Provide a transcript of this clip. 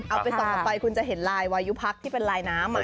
เอาไปส่องออกไปคุณจะเห็นลายวายุพักที่เป็นลายน้ำ